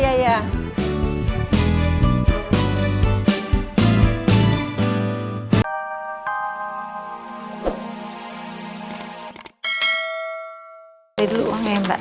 saya beli uang ya mbak